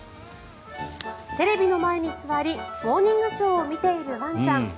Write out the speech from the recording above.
テレビの前に座り「モーニングショー」を見ているワンちゃん。